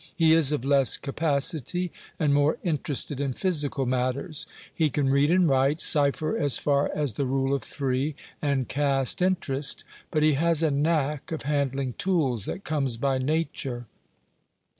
He is of less capacity, and more interested in physical matters. He can read and write, cipher as far as the "rule of three," and cast interest; but he has a knack of handling tools that comes by nature.